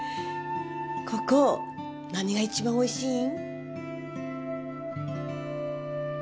ここ何が一番おいしいん？